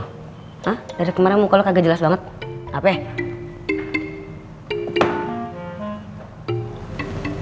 hah dari kemarin muka lo kagak jelas banget ngapain